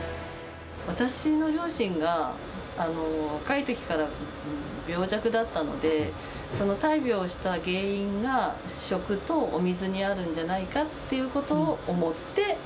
私の両親が若いときから病弱だったので、その大病をした原因が、食とお水にあるんじゃないかということを思って。